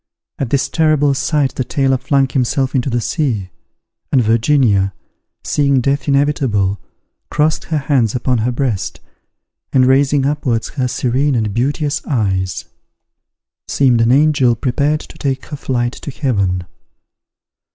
At this terrible sight the sailor flung himself into the sea; and Virginia, seeing death inevitable, crossed her hands upon her breast, and raising upwards her serene and beauteous eyes, seemed an angel prepared to take her flight to Heaven.